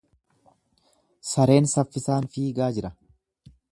Sareen saffisaan fiigaa jira.